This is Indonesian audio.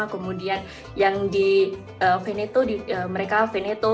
kemudian yang di veneto mereka veneto